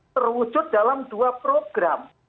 terwujud dalam dua program